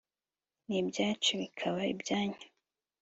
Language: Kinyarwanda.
n'ibyacu bikaba ibyanyu